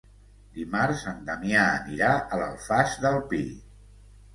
Dimarts en Damià anirà a l'Alfàs del Pi.